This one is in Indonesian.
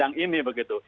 yang memandang ini begitu